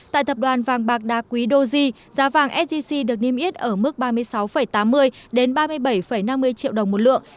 tại tập đoàn vàng bạc đa quý doji giá vàng sgc được niêm yết ở mức ba mươi sáu tám mươi đến ba mươi bảy năm mươi triệu đồng một lượng